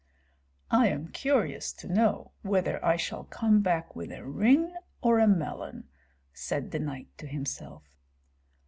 "I am curious to know whether I shall come back with a ring or a melon?" said the knight to himself.